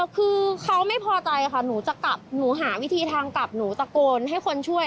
คือเขาไม่พอใจค่ะหนูจะกลับหนูหาวิธีทางกลับหนูตะโกนให้คนช่วย